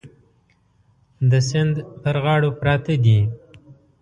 د سیند پر غاړو پراته دي.